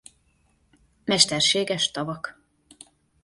Mesterséges tavak.